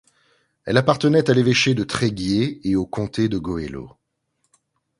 Elle appartenait à l’évêché de Tréguier et au comté du Goëlo.